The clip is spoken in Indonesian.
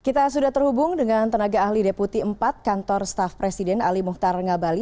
kita sudah terhubung dengan tenaga ahli deputi empat kantor staff presiden ali muhtar ngabali